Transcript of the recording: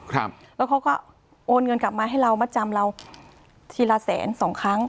ครับแล้วเขาก็โอนเงินกลับมาให้เรามาจำเราทีละแสนสองครั้ง